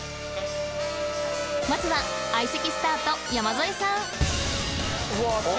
まずは相席スタート山添さん